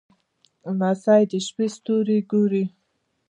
لمسی د شپې ستوري ګوري.